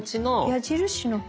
矢印の方？